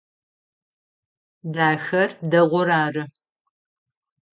Дахэр дэгъур ары.